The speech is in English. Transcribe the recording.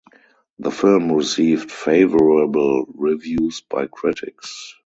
The film received favorable reviews by critics.